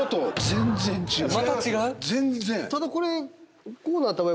全然違うぞ。